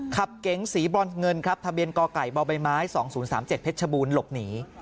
เก๋งสีบรอนเงินครับทะเบียนกไก่บใบไม้๒๐๓๗เพชรชบูรณ์หลบหนี